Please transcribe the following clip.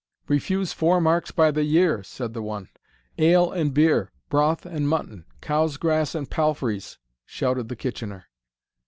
"Refuse four marks by the year!" said the one. "Ale and beer broth and mutton cow's grass and palfrey's!" shouted the Kitchener.